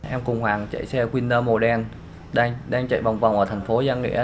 em cùng hoàng chạy xe winner màu đen đang chạy vòng vòng ở thành phố giang nghĩa